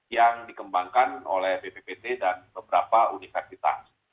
yang dikembangkan oleh bppt dan beberapa universitas